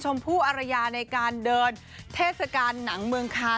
ผู้อารยาในการเดินเทศกาลหนังเมืองคา